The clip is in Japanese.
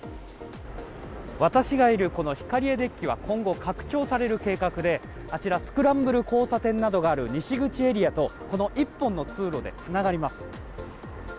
私がいるヒカリエデッキは今後拡張される計画でスクランブル交差点などがある西口エリアと１本の通路でつながります。